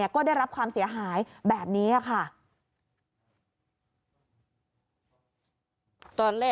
ก็ได้รับความเสียหายแบบนี้ค่ะ